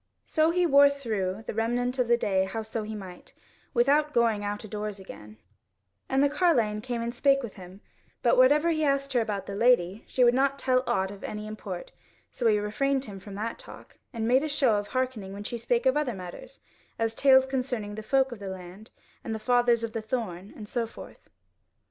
So he wore through the remnant of the day howso he might, without going out adoors again; and the carline came and spake with him; but whatever he asked her about the lady, she would not tell aught of any import, so he refrained him from that talk, and made a show of hearkening when she spake of other matters; as tales concerning the folk of the land, and the Fathers of the Thorn, and so forth.